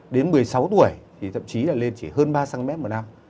đến một mươi sáu tuổi thì thậm chí là lên chỉ hơn ba cm một năm